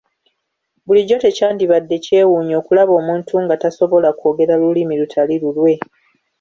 Bulijjo tekyandibadde kyewuunyo okulaba omuntu nga tasobola kwogera lulimi lutali lulwe.